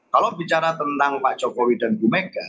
kalau bicara tentang pak jokowi dan bu mega